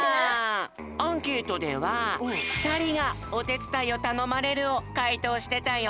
アンケートではふたりが「おてつだいをたのまれる」をかいとうしてたよ。